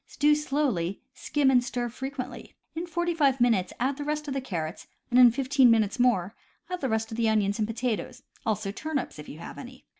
Stew slowly, skim and stir frequently. In forty five minutes add the rest of the carrots, and in fifteen minutes more add the rest of the onions and potatoes, also turnips, if you have any.